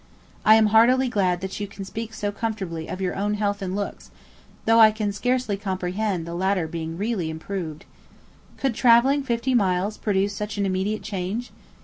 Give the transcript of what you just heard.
I am heartily glad that you can speak so comfortably of your own health and looks, though I can scarcely comprehend the latter being really approved. Could travelling fifty miles produce such an immediate change?